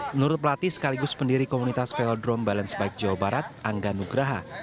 menurut pelatih sekaligus pendiri komunitas veldrome balance bike jawa barat angga nugraha